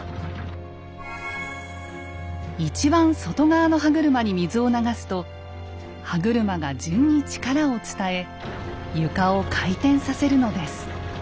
一番外側の歯車に水を流すと歯車が順に力を伝え床を回転させるのです。